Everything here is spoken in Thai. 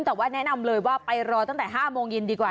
แต่ว่าแนะนำเลยว่าไปรอตั้งแต่๕โมงเย็นดีกว่า